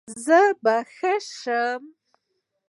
زړه به يې ښه شي.